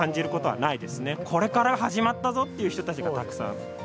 これから始まったぞっていう人たちがたくさん。